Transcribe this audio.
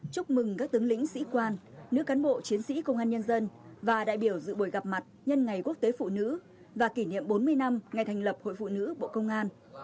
chúc mừng các tướng lĩnh sĩ quan nữ cán bộ chiến sĩ công an nhân dân và đại biểu dự buổi gặp mặt nhân ngày quốc tế phụ nữ và kỷ niệm bốn mươi năm ngày thành lập hội phụ nữ bộ công an